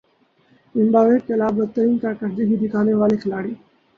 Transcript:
Zimbabwe کے خلاف بدترین کارکردگی دکھانے والے کھلاڑی